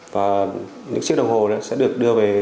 và những chiếc đồng hồ sẽ được đưa về